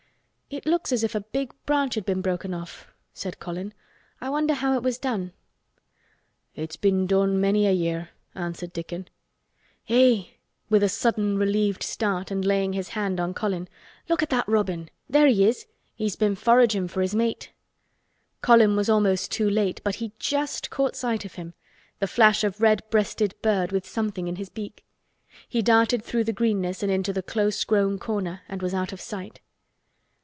"It looks as if a big branch had been broken off," said Colin. "I wonder how it was done." "It's been done many a year," answered Dickon. "Eh!" with a sudden relieved start and laying his hand on Colin. "Look at that robin! There he is! He's been foragin' for his mate." Colin was almost too late but he just caught sight of him, the flash of red breasted bird with something in his beak. He darted through the greenness and into the close grown corner and was out of sight.